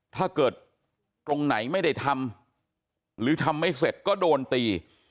ถ้าเกิดตรงไหนไม่ได้ทำหรือทำไม่เสร็จก็โดนตี